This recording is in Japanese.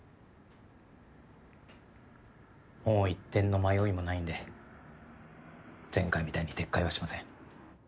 もう一点の迷いもないんで前回みたいに撤回はしません。